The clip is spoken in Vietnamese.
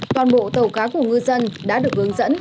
toàn bộ tàu cá của ngư dân đã được hướng dẫn